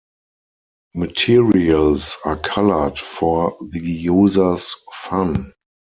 Materials are colored for the users' fun.